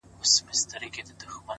د زاړه عکس څنډې تل لږ تاو وي